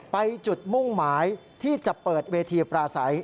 ไปจุดมุ่งหมายที่จะเปิดเวทีปราศัย